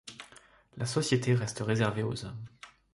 La société reste réservée aux hommes.